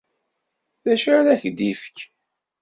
D acu ara k-d-ifk.